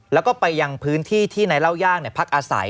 แล้วก็ไปยังพื้นที่ที่นายเล่าย่างพักอาศัย